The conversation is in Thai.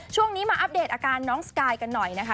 ช่วงนี้มาอัปเดตอาการน้องสกายกันหน่อยนะคะ